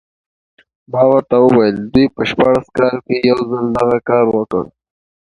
ما ورته وویل دوی په شپاړس کال کې یو ځل دغه کار وکړ.